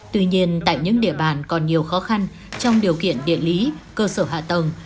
tuy nhiên tại những địa bàn còn nhiều khó khăn trong điều kiện địa lý cơ sở hạ tầng